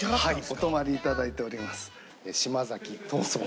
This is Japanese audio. お泊まりいただいております。